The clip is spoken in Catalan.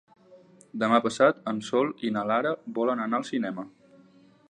Demà passat en Sol i na Lara volen anar al cinema.